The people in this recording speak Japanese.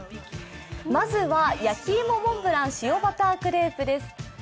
まずは焼き芋モンブラン塩バタークレープです。